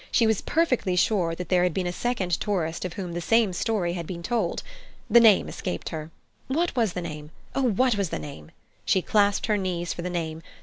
She was perfectly sure that there had been a second tourist of whom the same story had been told. The name escaped her. What was the name? Oh, what was the name? She clasped her knees for the name.